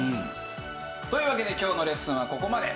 というわけで今日のレッスンはここまで。